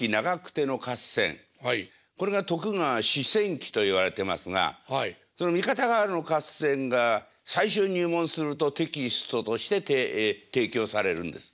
これが「徳川四戦記」といわれてますがその「三方ヶ原の合戦」が最初に入門するとテキストとして提供されるんです。